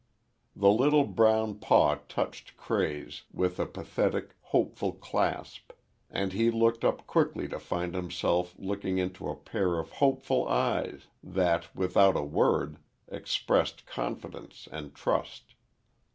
The little brown paw touched Cray's with a pathetic, hopeful clasp, and he looked up quickly to find himself looking into a pair of hopeful eyes, that, without a word, expressed confidence and trust.